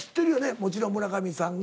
もちろん村上さんが。